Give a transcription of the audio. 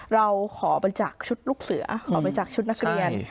เราขอไปจากชุดลูกเสือขอไปจากชุดนักเรียน